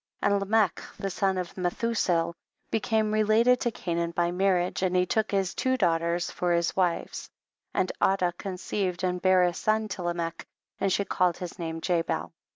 17. And Lamech, the son of Me thusael, became related to Cainan by THE BOOK OF JASHER. marriage, and he took liis two daugh ters for his wives, and Adah con ceived and bare a son to Lamech, and she called his name Jabal.